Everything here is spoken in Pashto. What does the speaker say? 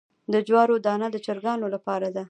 د جوارو دانه د چرګانو لپاره ده.